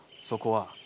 そこは。